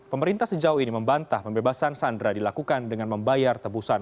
pemerintah sejauh ini membantah pembebasan sandera dilakukan dengan membayar tebusan